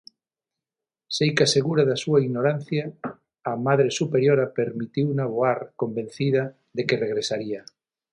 Seica segura da súa ignorancia, a madre superiora permitiuna voar, convencida de que regresaría.